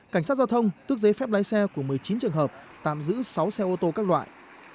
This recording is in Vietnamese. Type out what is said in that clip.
cảnh sát giao thông tước giấy phép lái xe của một mươi chín trường hợp tạm giữ sáu xe ô tô các loại